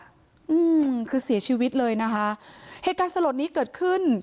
อืมคือเสียชีวิตเลยนะคะเหตุการณ์สลดนี้เกิดขึ้น